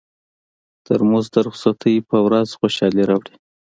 ترموز د رخصتۍ پر ورځ خوشالي راوړي.